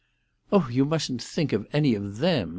"Oh, you mustn't think of any of them!"